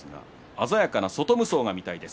鮮やかな外無双が見たいです。